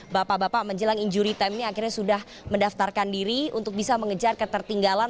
bapak bapak menjelang injury time ini akhirnya sudah mendaftarkan diri untuk bisa mengejar ketertinggalan